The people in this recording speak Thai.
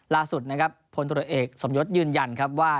ล่าสุดนะครับพลตรวจเอกสมยศยืนยันครับว่า